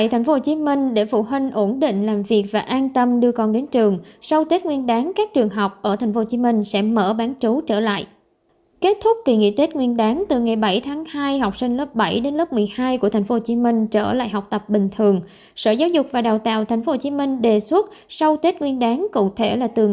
hãy đăng ký kênh để ủng hộ kênh của chúng mình nhé